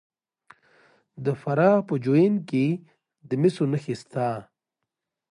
د فراه په جوین کې د مسو نښې شته.